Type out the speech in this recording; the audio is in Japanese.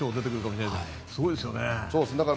すごいですよね。